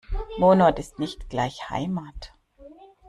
Wohnort ist nicht gleich Heimat.